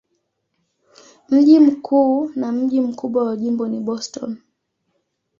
Mji mkuu na mji mkubwa wa jimbo ni Boston.